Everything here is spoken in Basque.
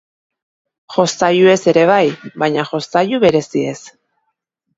Jostailuez ere bai, baina jostailu bereziez.